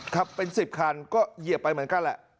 ขับเป็น๑๐คันก็เหยียบไปเหมือนกันแหละ